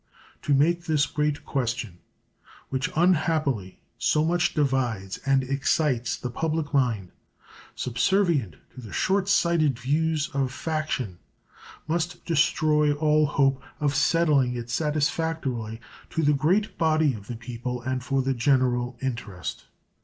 To make this great question, which unhappily so much divides and excites the public mind, subservient to the short sighted views of faction, must destroy all hope of settling it satisfactorily to the great body of the people and for the general interest.